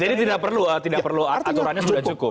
jadi tidak perlu aturannya sudah cukup